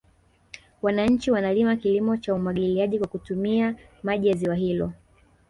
Wananchi wanalima kilimo cha umwagiliaji kwa kutumia maji ya ziwa hilo